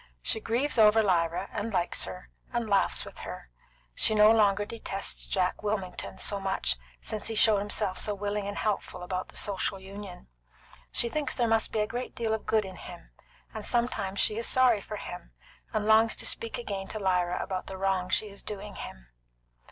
She grieves over Lyra, and likes her, and laughs with her; she no longer detests Jack Wilmington so much since he showed himself so willing and helpful about the Social Union; she thinks there must be a great deal of good in him, and sometimes she is sorry for him, and longs to speak again to Lyra about the wrong she is doing him.